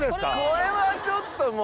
これはちょっともう。